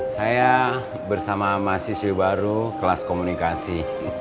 saya bersama mahasiswi baru kelas komunikasi